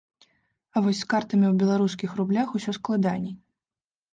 А вось з картамі ў беларускіх рублях усё складаней.